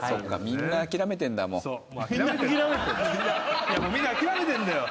みんな諦めてんだよ！